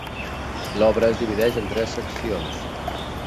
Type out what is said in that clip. L'obra es divideix en tres seccions.